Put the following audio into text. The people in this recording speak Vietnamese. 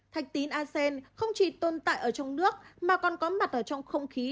thạch tín a sen không chỉ tồn tại ở trong nước mà còn có mặt ở trong không khí